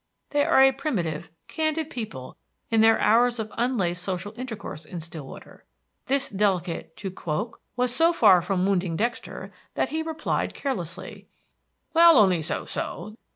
They are a primitive, candid people in their hours of unlaced social intercourse in Stillwater. This delicate tu quoque was so far from wounding Dexter that he replied carelessly, "Well, only so so.